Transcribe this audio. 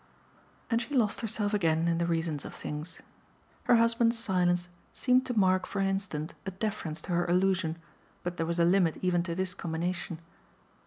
And she lost herself again in the reasons of things. Her husband's silence seemed to mark for an instant a deference to her allusion, but there was a limit even to this combination.